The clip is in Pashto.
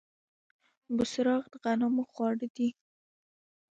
بوسراغ د غنمو خواړه دي.